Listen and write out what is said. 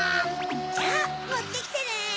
じゃあもってきてね。